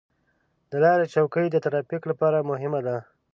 د لارې چوکۍ د ترافیک لپاره مهمه ده.